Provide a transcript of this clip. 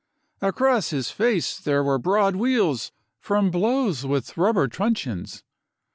Across his face there were broad weals from blows with I rubber truncheons.